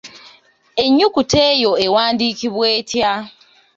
Ennyukuta eyo ewandiikibwa etya?